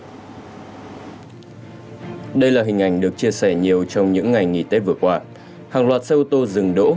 ở đây là hình ảnh được chia sẻ nhiều trong những ngày nghỉ tết vừa qua hàng loạt xe ôtô dừng đỗ